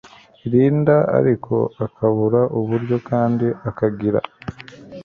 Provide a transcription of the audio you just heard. Linda ariko akabura uburyo kandi akagira